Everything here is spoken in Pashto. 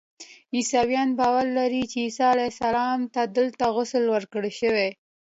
عیسویان باور لري چې عیسی علیه السلام ته دلته غسل ورکړل شوی.